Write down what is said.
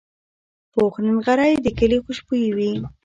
پوخ نغری د کلي خوشبويي وي